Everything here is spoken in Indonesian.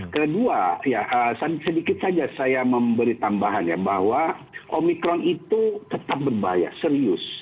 kedua sedikit saja saya memberi tambahannya bahwa omikron itu tetap berbahaya serius